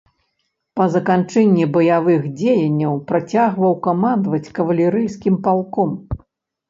Па заканчэнні баявых дзеянняў працягваў камандаваць кавалерыйскім палком.